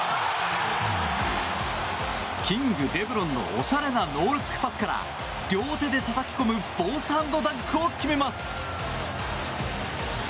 キング、レブロンのおしゃれなノールックパスから両手でたたき込むボースハンドダンクを決めます。